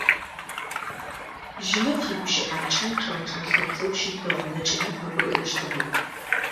Жьынэф игущыӏакӏэ чӏэгъычӏэлъыбзэу щытыгъ, зэкӏэми къагурыӏощтыгъэп.